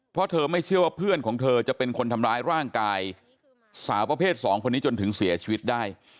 เพราะเธอไม่เชื่อว่าเพื่อนของเธอจะเป็นคนทำร้ายร่างกายสาวประเภท๒คนนี้จนถึงเสียชีวิตได้